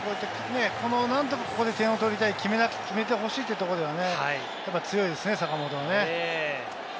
何とか、ここで点を取りたい、決めてほしいというところではね、やはり強いですね、坂本はね。